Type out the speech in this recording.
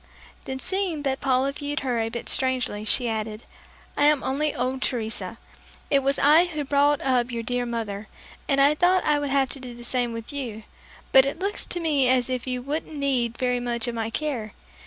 Then, seeing that Paula viewed her a bit strangely, she added, "I am only old Teresa. It was I who brought up your dear mother, and I thought I would have to do the same with you; but it looks to me as if you wouldn't need very much of my care.